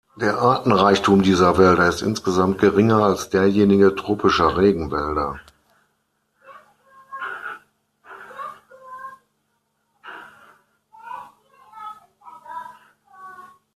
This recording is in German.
Der Artenreichtum dieser Wälder ist insgesamt geringer als derjenige tropischer Regenwälder.